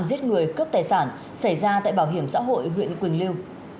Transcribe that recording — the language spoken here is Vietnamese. giết người cướp tài sản xảy ra tại bảo hiểm xã hội huyện quỳnh lưu